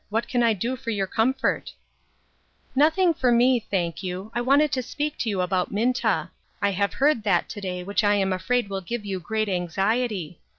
What can I do for your comfort ?" "Nothing for me, thank you ; I wanted to speak to you about Minta. I have heard that to day which I am afraid will give you great anxiety.